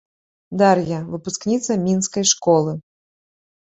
Дар'я, выпускніца мінскай школы.